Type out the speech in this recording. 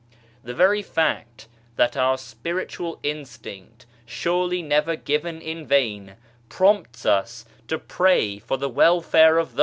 The very fact that our Spiritual instinct, surely never given in vain, prompts us to pray for the welfare of those, * i.